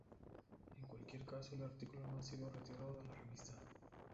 En cualquier caso, el artículo no ha sido retirado de la revista.